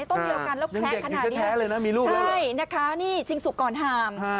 ต้นเดียวกันแล้วแคระขนาดนี้ชิงสุกก่อนหาร์ม